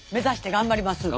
頑張ります。